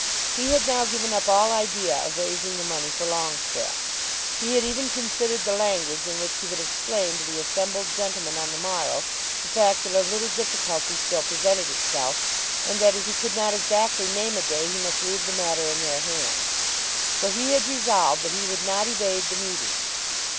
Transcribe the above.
He had now given up all idea of raising the money for Longestaffe. He had even considered the language in which he would explain to the assembled gentlemen on the morrow the fact that a little difficulty still presented itself, and that as he could not exactly name a day, he must leave the matter in their hands. For he had resolved that he would not evade the meeting.